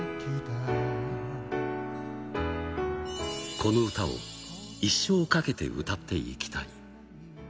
この歌を一生かけて歌っていきたい。